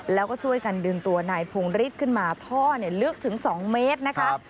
แล้วก็ช่วยกันดึงตัวนายพงฤทธิ์ขึ้นมาท่อลึกถึง๒เมตรนะคะ